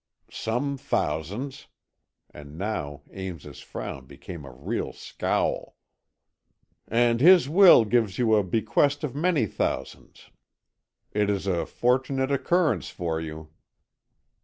"Some thousands," and now Ames's frown became a real scowl. "And his will gives you a bequest of many thousands. It is a fortunate occurrence for you."